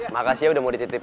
makasih ya udah mau dititip